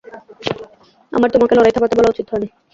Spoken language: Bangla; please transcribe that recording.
আমার তোমাকে লড়াই থামাতে বলা উচিত হয়নি।